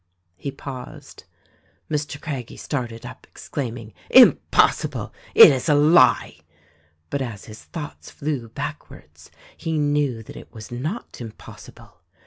He paused. Mr. Craggie started up exclaiming: "Impossible. It is a lie!" But as his thoughts flew backwards he knew that it was not impossible.